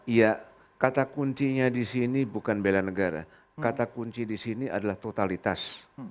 iya kata kuncinya disini bukan bela negara kata kunci disini adalah totalitas